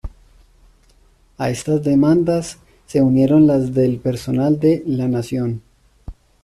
A estas demandas se unieron las del personal de "La Nación".